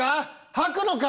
はくのか？